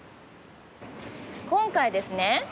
今回ですね